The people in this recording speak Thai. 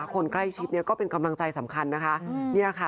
คนใกล้ชิดก็เป็นกำลังใจสำคัญนะคะ